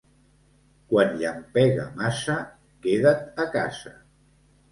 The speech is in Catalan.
Quan llampega massa queda't a casa.